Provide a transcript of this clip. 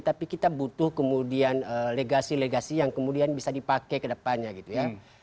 tapi kita butuh kemudian legasi legasi yang kemudian bisa dipakai ke depannya gitu ya